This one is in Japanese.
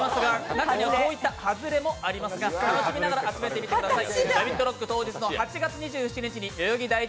中にはこういうハズレもありますが楽しみながら集めてみてください。